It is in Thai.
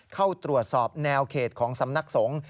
เข้าตรวจสอบแนวเขตของสำนักสงฆ์